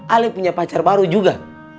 ali punya pacar baru juga